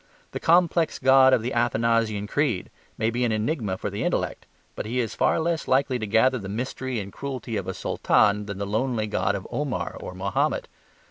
The complex God of the Athanasian Creed may be an enigma for the intellect; but He is far less likely to gather the mystery and cruelty of a Sultan than the lonely god of Omar or Mahomet.